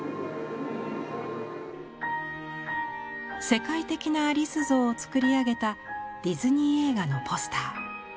世界的なアリス像を作り上げたディズニー映画のポスター。